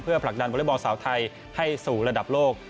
เพื่อผลักดันวัลย์บอลสาวไทยให้สู่ระดับโลก